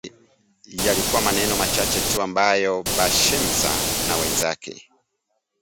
Yalikuwa maneno machache tu ambayo Ba’Shemsa na wenzake